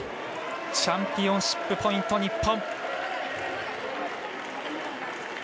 チャンピオンシップポイント、日本。